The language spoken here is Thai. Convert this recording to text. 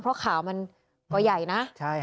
เพราะขาวมันก็ใหญ่นะ